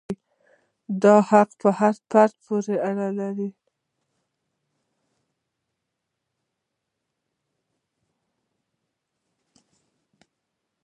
دا حقوق پر هر فرد پورې اړه لري.